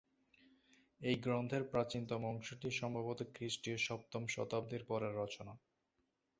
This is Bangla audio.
এই গ্রন্থের প্রাচীনতম অংশটি সম্ভবত খ্রিস্টীয় সপ্তম শতাব্দীর পরের রচনা।